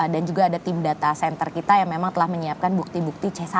dan juga ada tim data center kita yang memang telah menyiapkan bukti bukti c satu